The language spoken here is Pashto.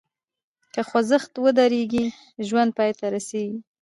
که خوځښت ودریږي، ژوند پای ته رسېږي.